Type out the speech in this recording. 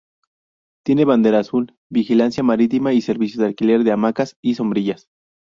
Tiene bandera azul, vigilancia marítima y servicio de alquiler de hamacas y sombrillas.